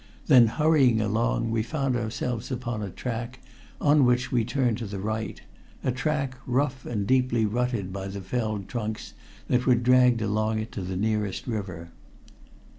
Then, hurrying along, we found ourselves upon a track, on which we turned to the right a track, rough and deeply rutted by the felled trunks that were dragged along it to the nearest river.